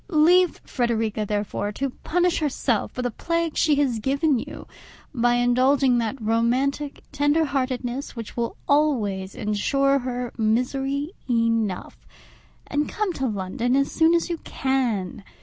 Leave Frederica, therefore, to punish herself for the plague she has given you, by indulging that romantic tender heartedness which will always ensure her misery enough, and come to London as soon as you can.